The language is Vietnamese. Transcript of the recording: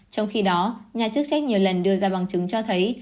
trong khi đó nhà chức trách nhiều lần đưa ra bằng chứng cho thấy